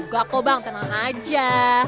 gak kok bang tenang aja